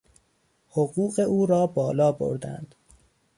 حقوق او را بالا بردند.